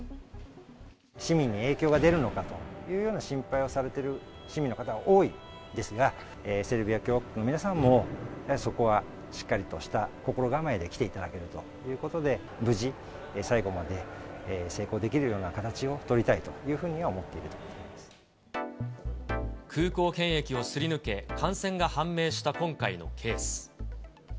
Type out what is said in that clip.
市民に影響が出るのかというような心配をされている市民の方は多いですが、セルビア共和国の皆さんも、やはりそこはしっかりとした心構えで来ていただけるということで、無事、最後まで成功できるような形を取りたいというふうには思っていま空港検疫をすり抜け、感染が判明した今回のケース。